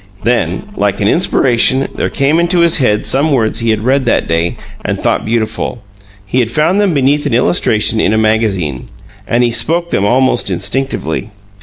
Then, like an inspiration, there came into his head some words he had read that day and thought beautiful. He had found them beneath an illustration in a magazine, and he spoke them almost instinctively.